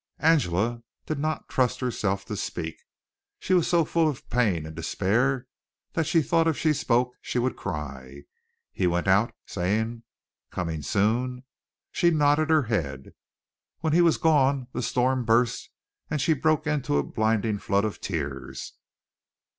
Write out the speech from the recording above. Angela did not trust herself to speak. She was so full of pain and despair that she thought if she spoke she would cry. He went out, saying: "Coming soon?" She nodded her head. When he was gone the storm burst and she broke into a blinding flood of tears.